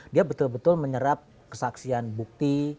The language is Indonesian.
dia betul betul menyerap kesaksian bukti